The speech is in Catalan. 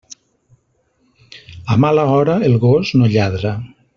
A mala hora, el gos no lladra.